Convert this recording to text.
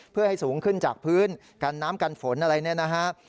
เพื่อให้สูงขึ้นจากพื้นกันน้ำกันฝนอะไรเนี่ยนะฮะ